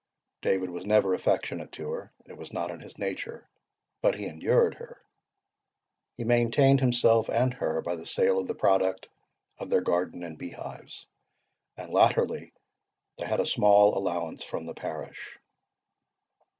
David was never affectionate to her; it was not in his nature; but he endured her. He maintained himself and her by the sale of the product of their garden and bee hives; and, latterly, they had a small allowance from the parish.